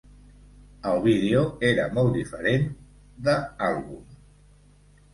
El vídeo era molt diferent de àlbum.